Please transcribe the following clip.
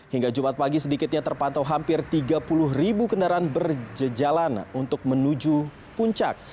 hingga jumat pagi sedikitnya terpantau hampir tiga puluh ribu kendaraan berjalan untuk menuju puncak